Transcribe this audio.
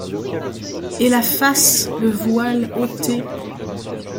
Et la face, le voile ôté ?